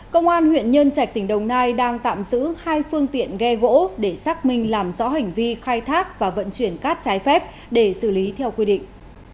công an huyện nhân trạch tỉnh đồng nai đang tạm giữ hai phương tiện ghe gỗ để xác minh làm rõ hành vi khai thác và vận chuyển cát trái phép để xử lý theo quy định